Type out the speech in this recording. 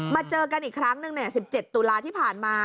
เจอกันอีกครั้งหนึ่ง๑๗ตุลาที่ผ่านมา